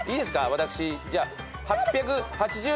私じゃあ。